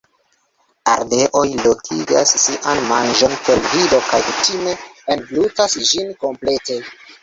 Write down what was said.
Ardeoj lokigas sian manĝon per vido kaj kutime englutas ĝin komplete.